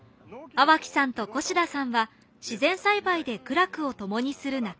粟木さんと越田さんは自然栽培で苦楽を共にする仲間。